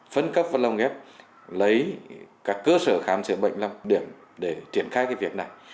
phân cấp và lồng ghép lấy các cơ sở khám chữa bệnh làm điểm để triển khai cái việc này